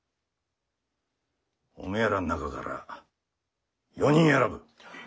おめえらん中から４人選ぶ。